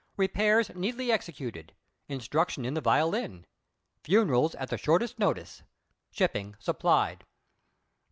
Repairs Neatly Executed. Instruction in the Violin. Funerals at the Shortest Notice. Shipping Supplied."